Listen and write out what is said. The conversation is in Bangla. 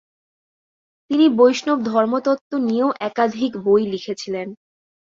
তিনি বৈষ্ণব ধর্মতত্ত্ব নিয়েও একাধিক বই লিখেছিলেন।